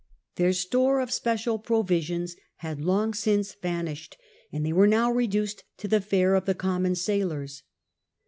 Their store of sjiecial provisions had Jong since vanished, and they were now reduced to the fare of the coininon sailors.